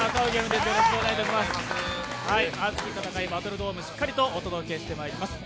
熱き戦いバトルドームしっかりとお届けしてまいります。